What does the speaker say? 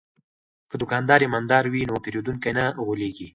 که دوکاندار ایماندار وي نو پیرودونکی نه غولیږي.